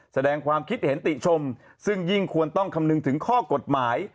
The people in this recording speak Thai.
แสดงความคิดเห็นติชมซึ่งยิ่งควรต้องคำนึงถึงข้อกฎหมาย